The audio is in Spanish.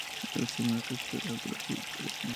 Recibe una cesta de verduras de Canela.